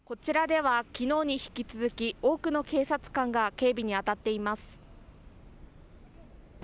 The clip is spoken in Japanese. こちらではきのうに引き続き多くの警察官が警備に当たっています。